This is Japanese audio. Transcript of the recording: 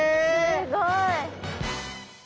すごい。